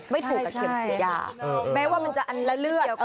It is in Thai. แม้ว่ามันจะอันระเลือด